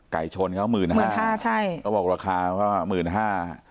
ไก่ชนเขาหมื่นห้าหมื่นห้าใช่เขาบอกราคาเขาหมื่นห้า